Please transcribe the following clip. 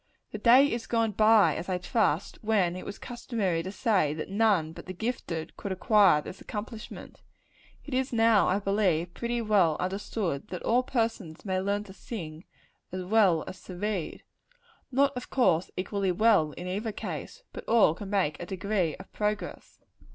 The day is gone by, as I trust, when it was customary to say that none but the gifted could acquire this accomplishment. It is now, I believe, pretty well understood, that all persons may learn to sing, as well as to read. Not, of course, equally well, in either case; but all can make a degree of progress.